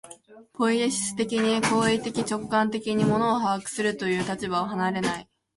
ポイエシス的に、行為的直観的に物を把握するという立場を離れない。